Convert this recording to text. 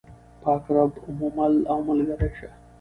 پاک رب مو مل او ملګری شه.